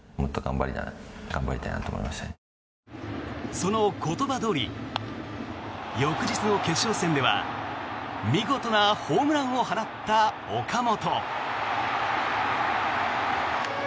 その言葉どおり翌日の決勝戦では見事なホームランを放った岡本。